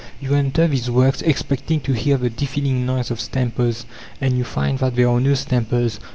You enter these works expecting to hear the deafening noise of stampers, and you find that there are no stampers.